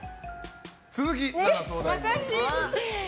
鈴木奈々相談員。